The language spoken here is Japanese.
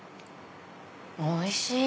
おいしい！